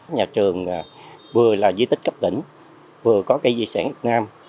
nhà trường vừa là di tích cấp tỉnh vừa có cây di sản việt nam